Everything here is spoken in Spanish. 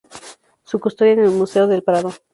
Se custodia en el Museo del Prado.